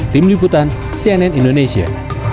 tim liputan cnn indonesia